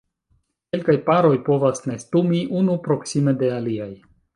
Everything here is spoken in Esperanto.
Kelkaj paroj povas nestumi unu proksime de aliaj.